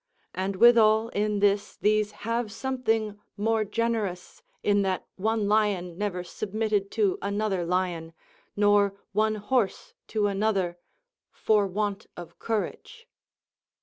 And withal in this these have something more generous in that one lion never submitted to another lion, nor one horse to another, for want of courage.